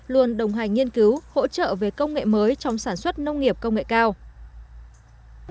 luôn đồng hành nghiên cứu hỗ trợ về công nghệ mới trong sản xuất nông nghiệp công nghệ cao